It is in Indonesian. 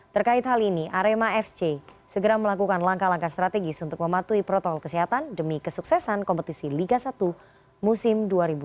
terkait hal ini arema fc segera melakukan langkah langkah strategis untuk mematuhi protokol kesehatan demi kesuksesan kompetisi liga satu musim dua ribu dua puluh